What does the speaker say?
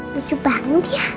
lucu banget ya